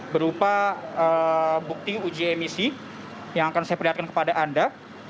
berupa bukti uji emisi yang akan saya perlihatkan kepada anda